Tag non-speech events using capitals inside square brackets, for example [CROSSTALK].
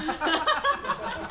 ハハハ [LAUGHS]